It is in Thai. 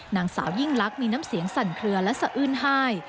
นางสาวยิ่งลักษณ์มีน้ำเสียงสั่นเคลือและสะอื้นไห้